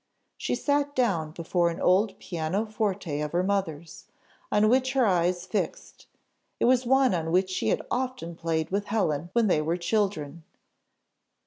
She sat down before an old piano forte of her mother's, on which her eyes fixed; it was one on which she had often played with Helen when they were children.